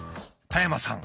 田山さん